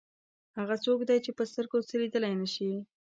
هغه څوک دی چې په سترګو څه لیدلی نه شي.